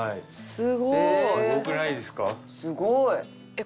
すごいね。